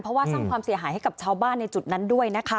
เพราะว่าสร้างความเสียหายให้กับชาวบ้านในจุดนั้นด้วยนะคะ